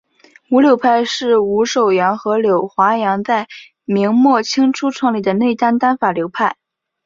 伍柳派是伍守阳和柳华阳在明末清初创立的内丹丹法流派。